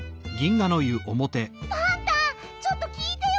パンタちょっときいてよ。